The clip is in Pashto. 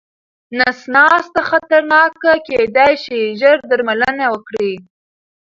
نس ناسته خطرناکه کيداې شي، ژر درملنه وکړئ.